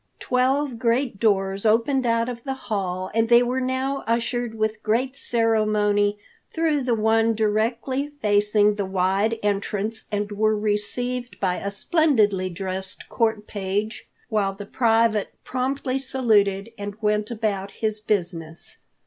Twelve great doors opened out of the hall and they were now ushered with great ceremony through the one directly facing the wide entrance and were received by a splendidly dressed court page, while the private promptly saluted and went about his business.